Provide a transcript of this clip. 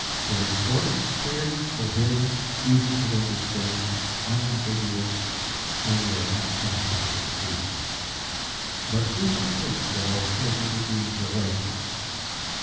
They are short, clear, coherent, easy to understand, unambiguous, and yet unquestionable dreams. But do not think that all children's dreams are like this.